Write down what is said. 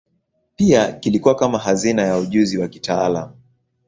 Pia kilikuwa kama hazina ya ujuzi wa kitaalamu.